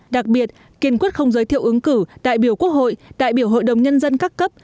đặc biệt kiên quyết không giới thiệu ứng cử đại biểu quốc hội đại biểu hội đồng nhân dân các cấp